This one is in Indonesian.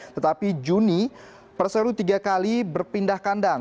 tetapi juni perseru tiga kali berpindah kandang